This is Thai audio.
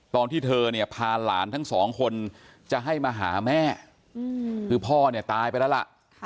ตอนที่เธอพาหลานทั้ง๒คนจะให้มาหาแม่คือพ่อตายไปแล้วล่ะ